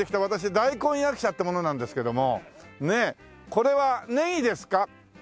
これはネギですか？